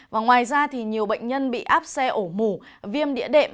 và ngoài ra thì nhiều bệnh nhân bị áp xe ổ mù viêm địa đệm